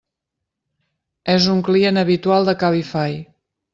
És un client habitual de Cabify.